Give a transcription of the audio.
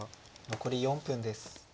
残り４分です。